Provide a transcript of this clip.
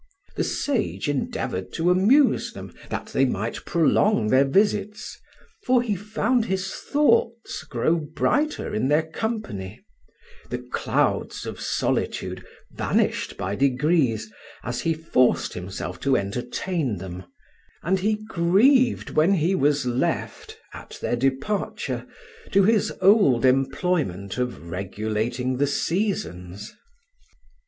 The sage endeavoured to amuse them, that they might prolong their visits, for he found his thoughts grow brighter in their company; the clouds of solitude vanished by degrees as he forced himself to entertain them, and he grieved when he was left, at their departure, to his old employment of regulating the seasons.